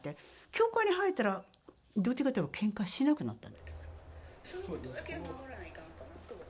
教会に入ったらどっちかっていったらけんかしなくなった。